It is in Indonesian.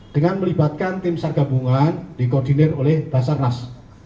dengan melibatkan tim sargabungan dikoordinir oleh basarnas